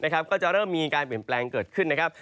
ก็จะเริ่มมีการเปลี่ยนแปลงเกิดขึ้นนะครับ